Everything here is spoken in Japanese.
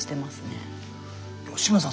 吉村さん